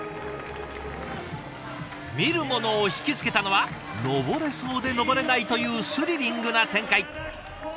見る者を引き付けたのは登れそうで登れないというスリリングな展開。